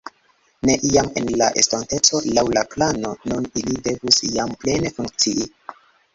Ne iam en la estonteco laŭ la plano nun ili devus jam plene funkcii.